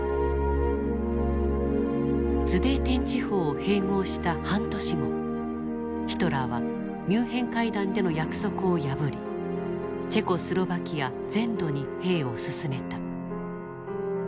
ズデーテン地方を併合した半年後ヒトラーはミュンヘン会談での約束を破りチェコスロバキア全土に兵を進めた。